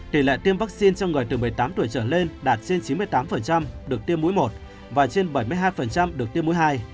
tỷ lệ tiêm vaccine cho người từ một mươi tám tuổi trở lên đạt trên chín mươi tám được tiêm mũi một và trên bảy mươi hai được tiêm mũi hai